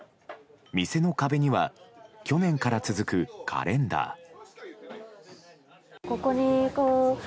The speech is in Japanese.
店の壁には去年から続くカレンダー。